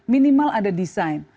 minimal ada desain